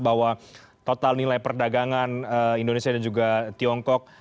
bahwa total nilai perdagangan indonesia dan juga tiongkok